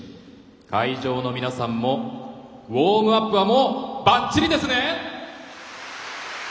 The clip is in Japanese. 会場の皆さんもウォームアップはばっちりですね！